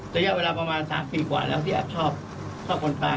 ระยะเวลาประมาณ๓ปีกว่าแล้วที่แอบชอบคนกลาง